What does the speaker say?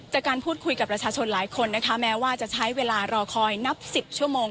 จากการพูดคุยกับประชาชนหลายคนนะคะแม้ว่าจะใช้เวลารอคอยนับ๑๐ชั่วโมง